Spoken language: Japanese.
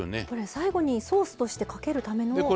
これ最後にソースとしてかけるための。